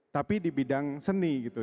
tapi di bidang seni gitu